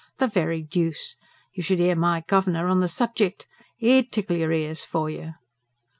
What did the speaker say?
"The very deuce! You should hear my governor on the subject! He'd tickle your ears for you.